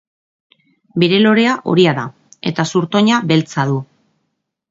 Bere lorea horia da eta zurtoina beltza du.